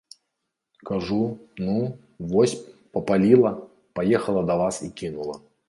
Кажу, ну, вось, папаліла, паехала да вас і кінула.